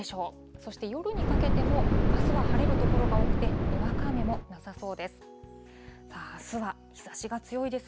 そして夜にかけても、あすは晴れる所が多くて、にわか雨もなさそうです。